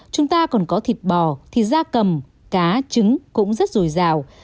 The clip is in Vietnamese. chúng ta còn có thịt bò thì da cầm cá trứng cũng rất dồi dào